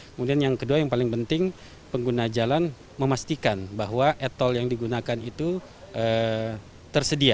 kemudian yang kedua yang paling penting pengguna jalan memastikan bahwa etol yang digunakan itu tersedia